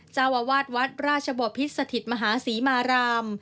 เจ้าอาวาสวัดราชบพิษสถิตมหาศรีมาราม